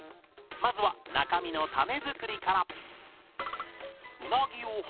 まずは中身のタネ作りから。